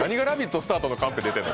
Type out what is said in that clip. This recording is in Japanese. スタートのカンペが出てるの。